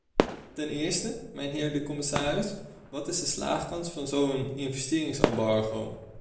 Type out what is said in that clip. Ten eerste, mijnheer de commissaris, wat is de slaagkans van zo'n investeringsembargo?